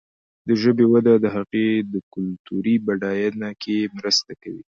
د ژبې وده د هغې د کلتوري بډاینه کې مرسته کوي.